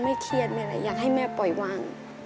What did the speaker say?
ไม่เคียนอะไรอยากให้แม่ปล่อยวาง